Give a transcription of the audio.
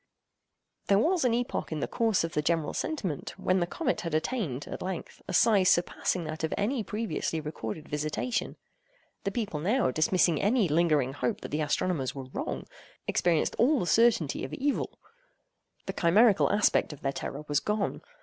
There was an epoch in the course of the general sentiment when the comet had attained, at length, a size surpassing that of any previously recorded visitation. The people now, dismissing any lingering hope that the astronomers were wrong, experienced all the certainty of evil. The chimerical aspect of their terror was gone.